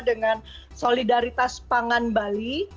dengan solidaritas pangan bali